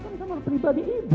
ini kamar pribadi ibu